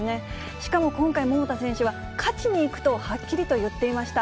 しかも今回、桃田選手は、勝ちにいくとはっきりと言っていました。